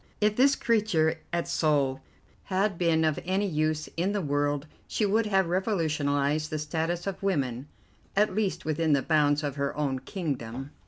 If this creature at Seoul had been of any use in the world she would have revolutionized the status of women, at least within the bounds of her own kingdom."